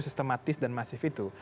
sistematis dan masif itu